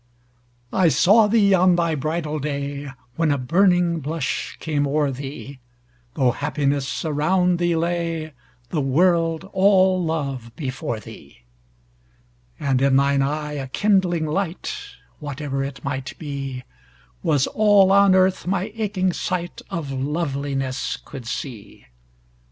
I saw thee on thy bridal day When a burning blush came o'er thee, Though happiness around thee lay, The world all love before thee: And in thine eye a kindling light (Whatever it might be) Was all on Earth my aching sight Of Loveliness could see.